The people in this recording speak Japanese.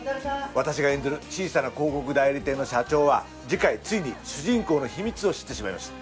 私が演じる小さな広告代理店の社長は次回ついに主人公の秘密を知ってしまいます。